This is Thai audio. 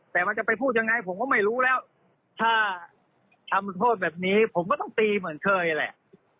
แต่มันจะไปพูดยังไงผมก็ไม่รู้แล้วถ้าทำโทษแบบนี้ผมก็ต้องตีเหมือนเคยแหละ